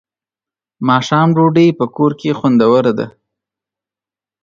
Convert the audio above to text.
ماښام ډوډۍ په کور کې خوندوره ده.